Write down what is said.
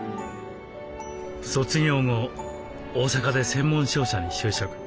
卒業後大阪で専門商社に就職。